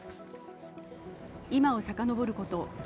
今をさかのぼること